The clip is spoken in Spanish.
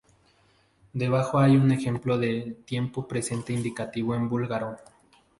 Debajo hay un ejemplo de tiempo presente indicativo en búlgaro.